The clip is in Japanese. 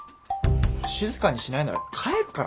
静かにしないなら帰るからな。